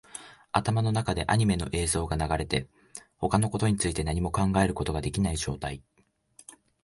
頭の中でアニメの映像が流れて、他のことについて何も考えることができない状態